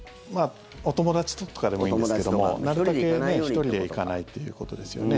お友達とかでもいいんですけどもなるたけ１人で行かないっていうことですよね。